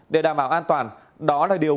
để đảm bảo an toàn đó là điều